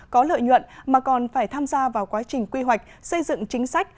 có lợi nhuận mà còn phải tham gia vào quá trình quy hoạch xây dựng chính sách